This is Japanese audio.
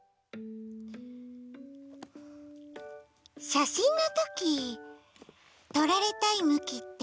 しゃしんのときとられたいむきってあるよね。